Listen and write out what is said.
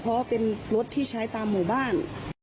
เพราะเป็นรถที่ใช้ตามหมู่บ้าน